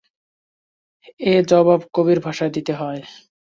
এর জবাব কবির ভাষায় দিতে হয়।